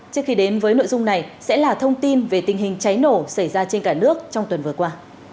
trước khi đến với nội dung này sẽ là thông tin về tình hình cháy nổ xảy ra trên cả nước trong tuần vừa qua